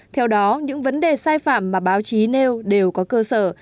theo đó những vấn đề sai phạm mà báo chí nêu đều có cơ sở